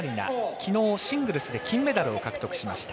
きのう、シングルスで金メダルを獲得しました。